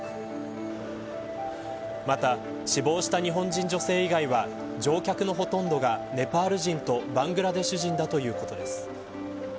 また、死亡した日本人女性以外は乗客のほとんどがネパール人とバングラデシュ人だということです。